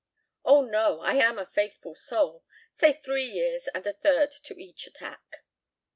"Oh, no, I am a faithful soul. Say three years and a third to each attack."